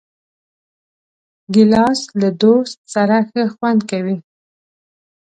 ګیلاس له دوست سره ښه خوند کوي.